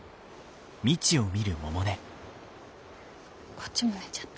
こっちも寝ちゃった。